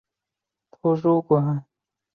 曾先后由香港上海汇丰银行及香港政府发行。